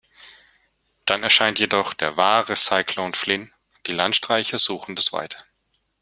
Dann erscheint jedoch der wahre Cyclone Flynn, und die Landstreicher suchen das Weite.